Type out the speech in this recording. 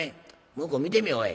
「向こう見てみぃおい。